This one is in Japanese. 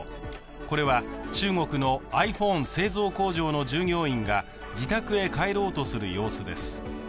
これは中国のｉＰｈｏｎｅ製造工場の従業員が自宅へ帰ろうとする様子です。